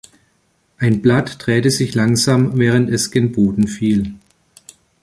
Ein Blatt drehte sich langsam, während es gen Boden fiel.